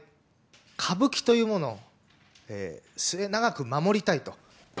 歌舞伎というものを、末永く守りたいと。